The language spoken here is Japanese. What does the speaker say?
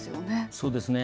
そうですね。